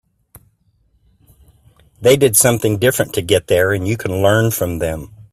They did something different to get there and you can learn from them.